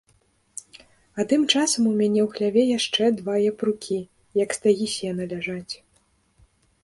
А тым часам у мяне ў хляве яшчэ два япрукі, як стагі сена, ляжаць.